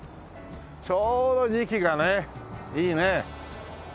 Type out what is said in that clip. ちょうど時期がねいいねすごい。